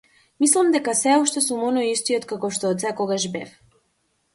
Мислам дека сѐ уште сум оној истиот каков што отсекогаш бев.